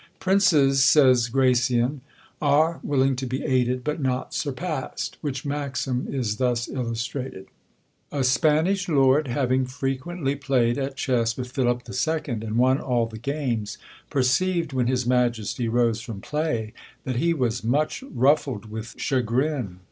Princes, says Gracian, are willing to be aided, but not surpassed: which maxim is thus illustrated. A Spanish lord having frequently played at chess with Philip II., and won all the games, perceived, when his Majesty rose from play, that he was much ruffled with chagrin.